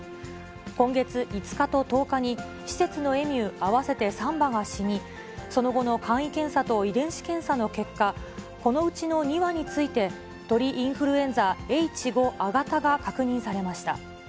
今月５日と１０日に、施設のエミュー合わせて３羽が死に、その後の簡易検査と遺伝子検査の結果、このうちの２羽について、鳥インフルエンザＨ５亜型が確認されました。